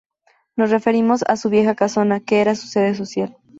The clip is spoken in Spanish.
Nos referimos a su vieja casona, que era su sede social.